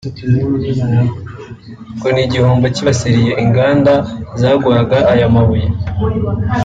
ngo ni igihombo cyibasiye inganda zaguraga aya mabuye